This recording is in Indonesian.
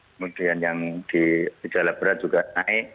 kemudian yang di gejala berat juga naik